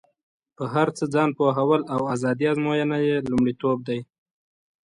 په هر څه ځان پوهول او ازادي ازموینه یې لومړیتوب دی.